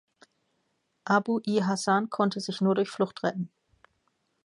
Abu l-Hasan konnte sich nur durch Flucht retten.